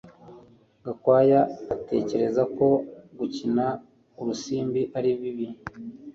Gakwaya atekereza ko gukina urusimbi ari bibi